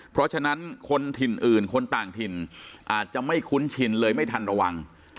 เพราะฉะนั้นคนถิ่นอื่นคนต่างถิ่นอาจจะไม่คุ้นชินเลยไม่ทันระวัง